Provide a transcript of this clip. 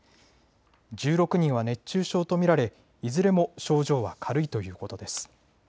１６人は熱中症と見られいずれも症状は軽いということです。